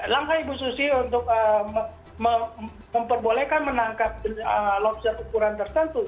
langkah ibu susi untuk memperbolehkan menangkap lobster ukuran tertentu